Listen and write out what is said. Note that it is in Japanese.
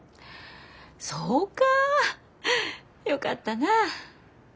そうかぁよかったな。